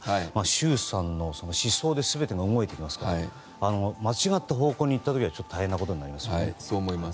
習さんの思想で全てが動いていきますから間違った方向に行った時は大変なことになりますね。